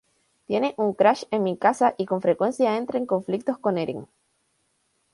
Tiene un crush en Mikasa y con frecuencia entra en conflictos con Eren.